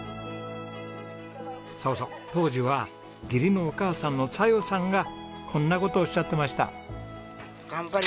そうそう当時は義理のお母さんの小夜さんがこんな事をおっしゃってました。